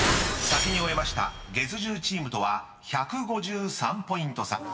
［先に終えました月１０チームとは１５３ポイント差］